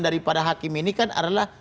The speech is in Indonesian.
daripada hakim ini kan adalah